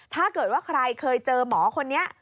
ถ้าเกิดว่าใครเคยเจอหมอคนนี้